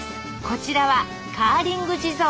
こちらはカーリング地蔵。